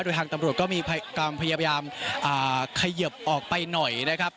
โดยทางตำรวจก็มีความพยายามเขยิบออกไปหน่อยนะครับ